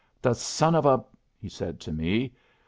'The son of a !' he said to me.